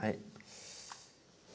え